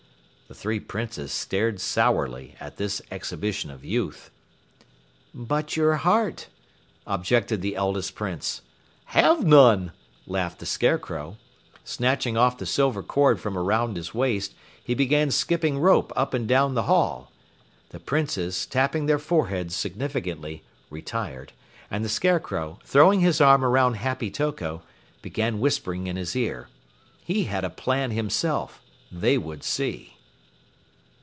The three Princes stared sourly at this exhibition of youth. "But your heart," objected the eldest Prince. "Have none," laughed the Scarecrow. Snatching off the silver cord from around his waist, he began skipping rope up and down the hall. The Princes, tapping their foreheads significantly, retired, and the Scarecrow, throwing his arm around Happy Toko, began whispering in his ear. He had a plan himself. They would see!